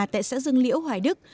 tại xã dương liễu hoài đức